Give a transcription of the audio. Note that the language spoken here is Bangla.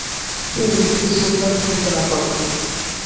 তিনি নিজেকে সুলতান ঘোষণা করেন।